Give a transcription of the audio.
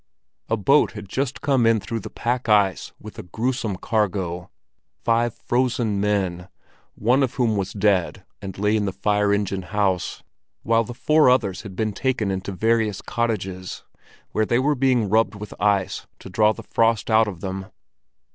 A boat had just come in through the pack ice with a gruesome cargo —five frozen men, one of whom was dead and lay in the fire engine house, while the four others had been taken into various cottages, where they were being rubbed with ice to draw the frost out of them.